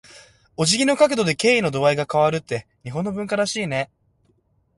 お辞儀の角度で、敬意の度合いが変わるって日本の文化らしいね。